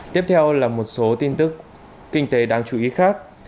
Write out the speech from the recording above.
tiếp theo là một số tin tức kinh tế đáng chú ý khác